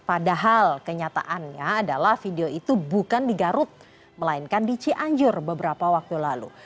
padahal kenyataannya adalah video itu bukan di garut melainkan di cianjur beberapa waktu lalu